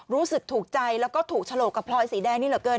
รู้สึกถูกใจแล้วก็ถูกฉลกกับพลอยสีแดงนี่เหลือเกิน